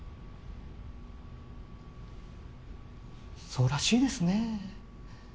そうらしいですね。